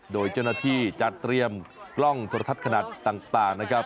โดยเจ้าหน้าที่จัดเตรียมกล้องโทรทัศน์ขนาดต่างนะครับ